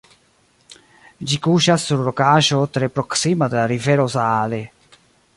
Ĝi kuŝas sur rokaĵo tre proksima de la rivero Saale.